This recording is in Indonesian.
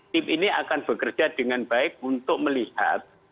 tim ini akan bekerja dengan baik untuk melihat